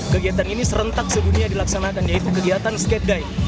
kegiatan ini serentak sedunia dilaksanakan yaitu kegiatan skate day